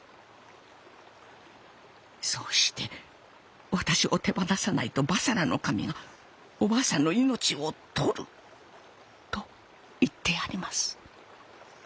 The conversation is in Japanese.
そうして私を手放さないと婆娑羅の神がお婆さんの命を取ると言ってやります。